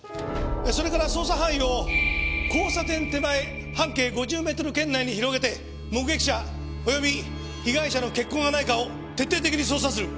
それから捜査範囲を交差点手前半径５０メートル圏内に広げて目撃者及び被害者の血痕がないかを徹底的に捜査する。